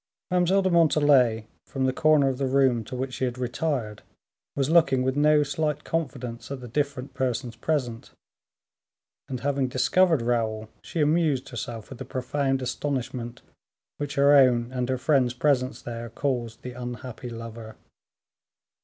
Mademoiselle de Montalais, from the corner of the room to which she had retired, was looking with no slight confidence at the different persons present; and, having discovered Raoul, she amused herself with the profound astonishment which her own and her friend's presence there caused the unhappy lover.